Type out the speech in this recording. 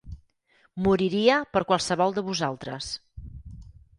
Moriria per qualsevol de vosaltres.